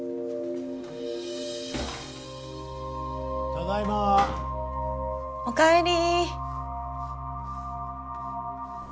・ただいま・おかえり。